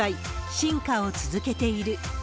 進化を続けている。